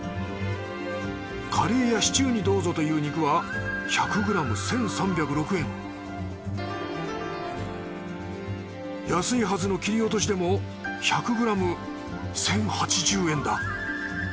カレーやシチューにどうぞという肉は１００ｇ１，３０６円安いはずの切り落としでも１００ｇ１，０８０円だ。